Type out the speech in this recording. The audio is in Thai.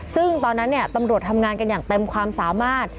ซึ่งตอนนั้นตำรวจทำงานกันอย่างเต็มความสามารถ